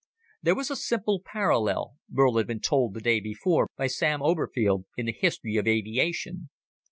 There was a simple parallel, Burl had been told the day before by Sam Oberfield, in the history of aviation.